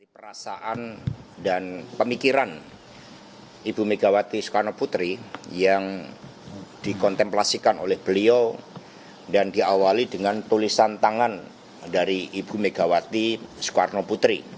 perasaan dan pemikiran ibu megawati soekarno putri yang dikontemplasikan oleh beliau dan diawali dengan tulisan tangan dari ibu megawati soekarno putri